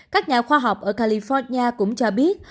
các nhà khoa học ở california cũng cho biết